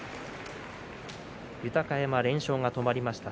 豊山、連勝が止まりました。